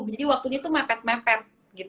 jadi waktunya tuh mepet mepet